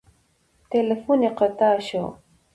تیلفون یې قطع شو.